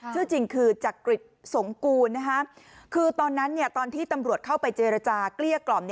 ชื่อจริงคือจักริจสงกูลคือตอนนั้นตอนที่ตำรวจเข้าไปเจรจาเกลี้ยกล่อม